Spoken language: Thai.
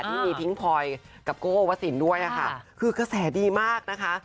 ที่มีทิ้งพลอยกับโก้วสินด้วยค่ะคือกระแสดีมากนะคะ